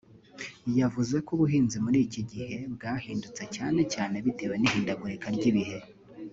yavuze ko ubuhinzi muri iki gihe bwahindutse cyane cyane bitewe n’ihindagurika ry’ibihe